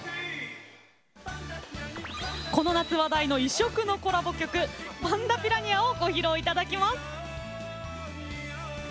この夏話題の異色のコラボ曲「パンダピラニア」をご披露頂きます。